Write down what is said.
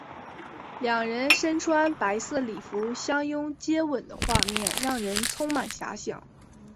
两人身穿白色礼服相拥接吻的画面让人充满遐想。